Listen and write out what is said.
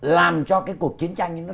làm cho cái cuộc chiến tranh ấy nó